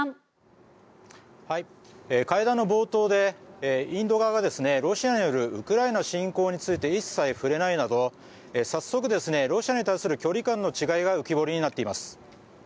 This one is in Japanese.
会談の冒頭でインド側がロシアによるウクライナ侵攻について一切触れないなど早速、ロシアに対する距離感の違いが浮き彫りになっています。